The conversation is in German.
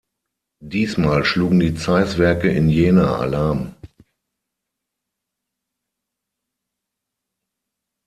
Diesmal schlugen die Zeiss-Werke in Jena Alarm.